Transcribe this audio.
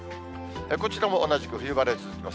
こちらも同じく冬晴れ続きます。